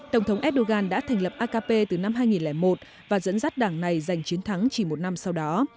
tổng thống erdogan đã thành lập akp từ năm hai nghìn một và dẫn dắt đảng này giành chiến thắng chỉ một năm sau đó